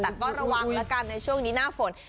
แต่ก็ระวังแล้วกันในช่วงนี้หน้าฝน